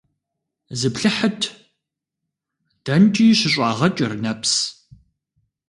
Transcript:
Зыплъыхьыт – дэнкӀи щыщӀагъэкӀыр нэпс…